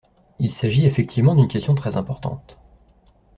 Il s’agit effectivement d’une question très importante.